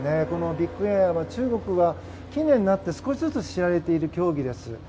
このビッグエアは近年になって少しずつ知られている競技です。